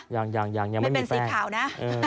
ยังยังยังยังไม่เป็นสีขาวนะ